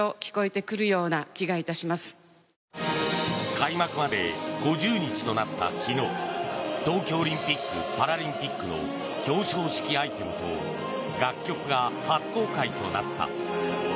開幕まで５０日となった昨日東京オリンピック・パラリンピックの表彰式アイテムと楽曲が初公開となった。